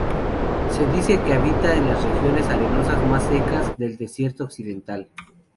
Se dice que habita en las regiones arenosas más secas del desierto occidental.